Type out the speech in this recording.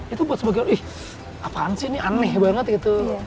itu buat sebagian wih apaan sih ini aneh banget gitu